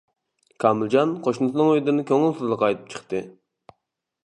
كامىلجان قوشنىسىنىڭ ئۆيىدىن كۆڭۈلسىزلا قايتىپ چىقتى.